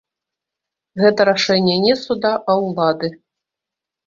Гэта рашэнне не суда, а ўлады.